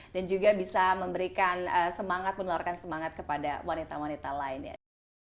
dan juga bisa memberikan semangat menularkan semangat kepada wanita wanita lainnya